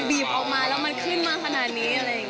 บีบออกมาแล้วมันขึ้นมาขนาดนี้